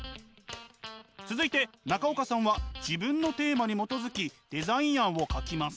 続いて中岡さんは自分のテーマに基づきデザイン案を描きます。